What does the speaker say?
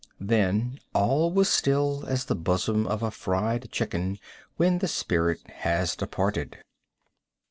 Then all was still as the bosom of a fried chicken when the spirit has departed.